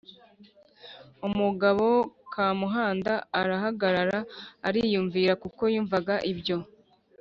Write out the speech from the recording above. umugabo!” Kamuhanda arahagarara ariyumvira kuko yumvaga ibyo